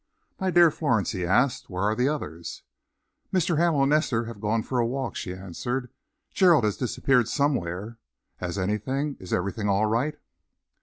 "My dear Florence," he asked, "where are the others?" "Mr. Hamel and Esther have gone for a walk," she answered. "Gerald has disappeared somewhere. Has anything is everything all right?"